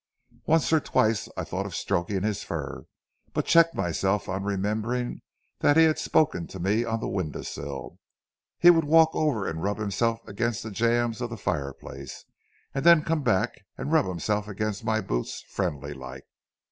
Once or twice I thought of stroking his fur, but checked myself on remembering he had spoken to me on the window sill. He would walk over and rub himself against the jambs of the fireplace, and then come back and rub himself against my boots friendly like.